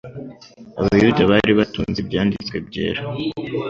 Abayuda bari batunze Ibyanditswe Byera,